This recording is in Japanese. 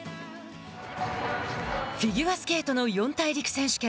フィギュアスケートの四大陸選手権。